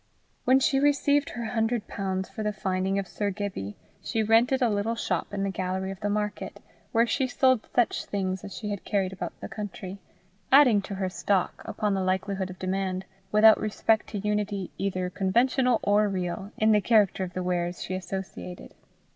When she received her hundred pounds for the finding of Sir Gibbie, she rented a little shop in the gallery of the market, where she sold such things as she had carried about the country, adding to her stock, upon the likelihood of demand, without respect to unity either conventional or real, in the character of the wares she associated.